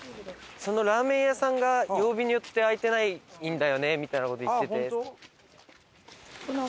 そのラーメン屋さんが曜日によって開いてないんだよねみたいな事言ってて。